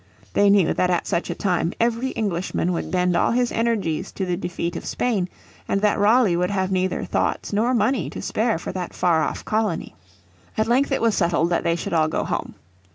They knew that at such a time every Englishman would bend all his energies to the defeat of Spain, and that Raleigh would have neither thoughts nor Money to spare for that far off colony. At length it was settled that they should all go home.